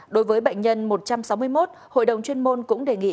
đối với bệnh nhân một trăm sáu mươi một hội đồng chuyên môn cũng đề nghị